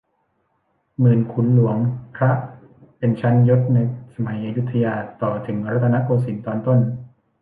หมื่น ขุน หลวง พระ เป็นชั้นยศในสมัยอยุธยาต่อถึงรัตนโกสินทร์ตอนต้น